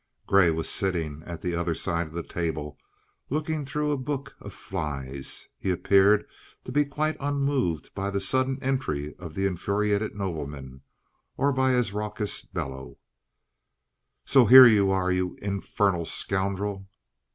Grey was sitting at the other side of the table, looking through a book of flies. He appeared to be quite unmoved by the sudden entry of the infuriated nobleman, or by his raucous bellow: "So here you are, you infernal scoundrel!"